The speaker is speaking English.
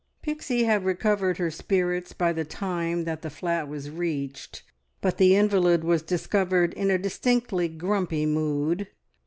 Pixie had recovered her spirits by the time that the flat was reached, but the invalid was discovered in a distinctly "grumpy" mood.